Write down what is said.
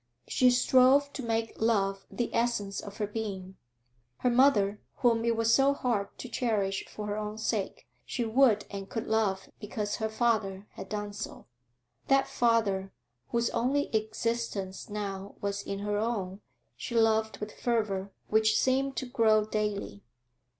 She strove to make Love the essence of her being. Her mother, whom it was so hard to cherish for her own sake, she would and could love because her father had done so; that father, whose only existence now was in her own, she loved with fervour which seemed to grow daily.